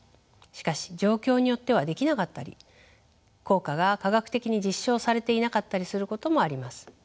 しかし状況によってはできなかったり効果が科学的に実証されていなかったりすることもあります。